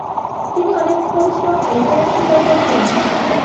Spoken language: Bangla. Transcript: তিনি অনেক পরিশ্রম ও ত্যাগ স্বীকার করতেন।